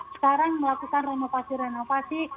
sekarang melakukan renovasi renovasi